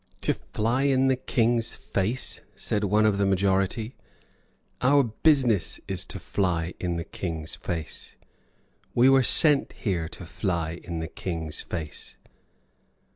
"To fly in the King's face!" said one of the majority; "our business is to fly in the King's face. We were sent here to fly in the King's face."